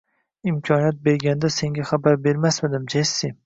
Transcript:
Imkoniyat bo`lganda, senga xabar bermasmidim, Jessi